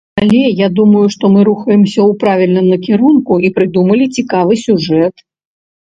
Але, думаю, што мы рухаемся ў правільным накірунку і прыдумалі цікавы сюжэт.